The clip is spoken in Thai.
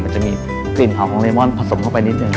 มันจะมีกลิ่นหอมของเรมอนผสมเข้าไปนิดนึง